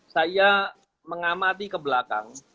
saya mengamati ke belakang